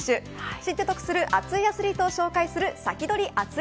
知って得する熱いアスリートを紹介するサキドリ！